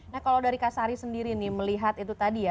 nah kalau dari kak sari sendiri nih melihat itu tadi ya